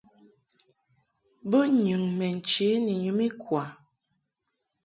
Bo nyɨŋ mɛ nche ni nyum ikwa.